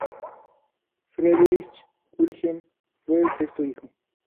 Friedrich Wilhelm fue el sexto hijo.